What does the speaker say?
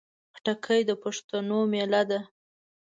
خټکی د پښتنو مېله ده.